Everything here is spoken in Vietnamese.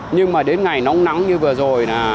nhưng mà đến ngày nóng nắng như vừa rồi là